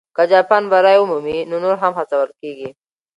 که جاپان بری ومومي، نو نور هم هڅول کېږي.